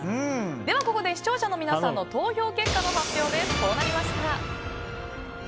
では、ここで視聴者の皆さんの投票結果です。